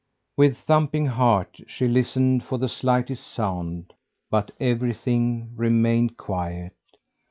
With thumping heart she listened for the slightest sound, but everything remained quiet.